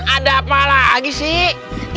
ada apa lagi sih